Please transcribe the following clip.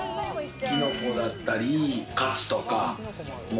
キノコだったり、カツとか。